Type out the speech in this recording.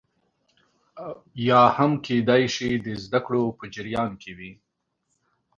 یا هم کېدای شي د زده کړو په جریان کې وي